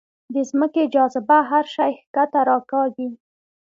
د ځمکې جاذبه هر شی ښکته راکاږي.